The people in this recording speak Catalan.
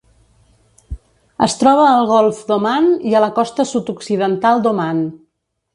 Es troba al Golf d'Oman i a la costa sud-occidental d'Oman.